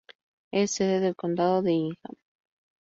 Es sede del condado de Ingham.